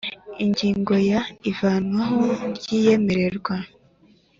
Ingingo ya ivanwaho ry iyemererwa